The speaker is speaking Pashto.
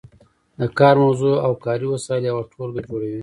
د کار موضوع او کاري وسایل یوه ټولګه جوړوي.